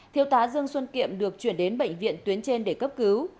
thiếu tá dương xuân kiệm được chuyển đến bệnh viện tuyến trên để cấp cứu